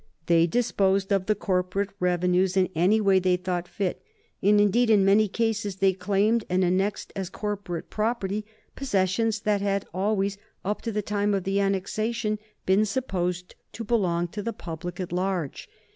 They disposed of the corporate revenues in any way they thought fit and, indeed, in many cases they claimed and annexed as corporate property possessions that had always, up to the time of the annexation, been supposed to belong to the public at large.